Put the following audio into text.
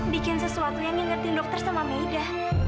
bikin sesuatu yang mengingatkan dokter sama maida